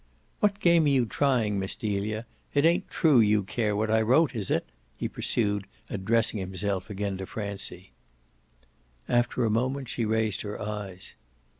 "What game are you trying, Miss Delia? It ain't true YOU care what I wrote, is it?" he pursued, addressing himself again to Francie. After a moment she raised her eyes.